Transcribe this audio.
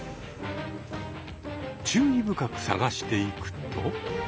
注意深く探していくと。